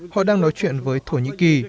họ đang nói chuyện với thổ nhĩ kỳ